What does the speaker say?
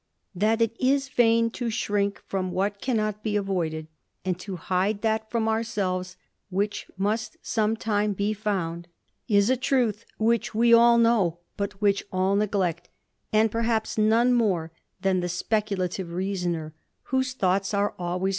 That it is vain to shrink from what cannot be avoided, *^^ to hide ^t from ourselves which must some time be °^d, is a .'truth which we all know, but which all neglect, ^^ perh^jps none more than the speculative reasoner, ^^se thoughts are always.